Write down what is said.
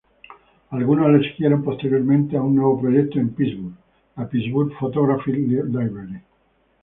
Algunos le siguieron posteriormente a un nuevo proyecto en Pittsburgh, la "Pittsburgh Photographic Library".